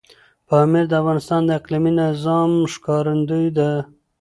پامیر د افغانستان د اقلیمي نظام ښکارندوی ده.